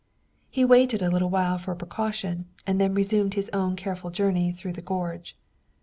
He waited a little while for precaution, and then resumed his own careful journey through the gorge.